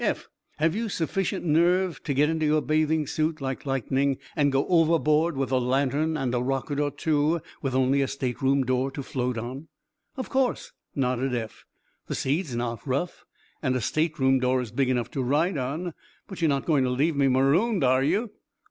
"Eph, have you sufficient nerve to get into your bathing suit like lightning, and go overboard with a lantern and a rocket or two, with only a state room door to float on?" "Of course," nodded Eph. "The sea's not rough, and a state room door is big enough to ride on. But you're not going to leave me marooned, are you?"